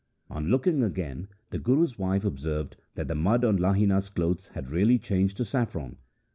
On looking again the Guru's wife observed that the mud on Lahina's clothes had really changed to saffron.